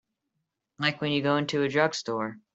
Like when you go into a drugstore.